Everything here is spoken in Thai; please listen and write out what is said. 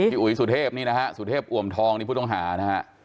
พี่อุ๋ยสุธิบสุธิบอวมทองพี่ผู้ต้องหานะคะ